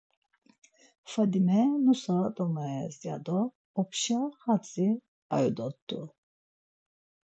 Fadime nusa domayes ya do opşa xadzi ayu dort̆u.